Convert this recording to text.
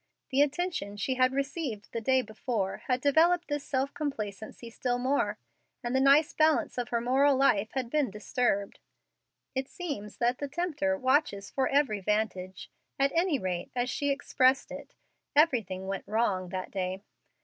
The attention she had received the day before had developed this self complacency still more, and the nice balance of her moral life had been disturbed. It seems that the tempter watches for every vantage. At any rate, as she expressed it, "everything went wrong" that day.